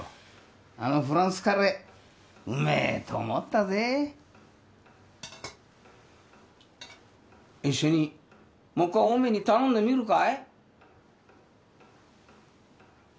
あのフランスカレエうめえと思ったぜ一緒にもう一回お梅に頼んでみるかい？